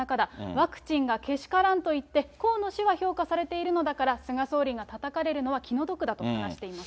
ワクチンがけしからんと言って、河野氏は評価されているのだから、菅総理がたたかれるのは気の毒だと話しています。